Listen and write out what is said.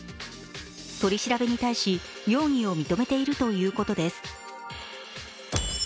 取り調べに対し、容疑を認めているということです。